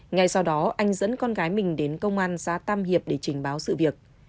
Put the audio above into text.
ngay sau đó anh dẫn con gái mình đến công an xã tam hiệp để trình báo sự việc